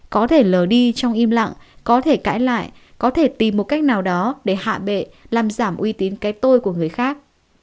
có thể lờ đi trong im lặng có thể cãi lại có thể tìm một cách nào đó để hạ bệ làm giảm uy tín cái tôi của người khác